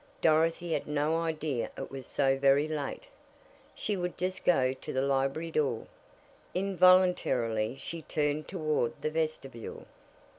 Dorothy had no idea it was so very late. She would just go to the library door Involuntarily she turned toward the vestibule.